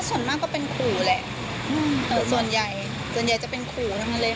ส่วนมากก็เป็นขู่แหละส่วนใหญ่ส่วนใหญ่จะเป็นขู่ทั้งนั้นเลย